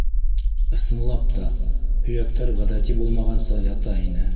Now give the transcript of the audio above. Ысынлап та, һөйәктәр ғәҙәти булмағанса ята ине.